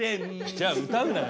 じゃあ歌うなよ。